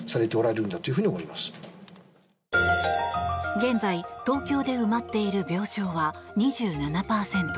現在、東京で埋まっている病床は２７％。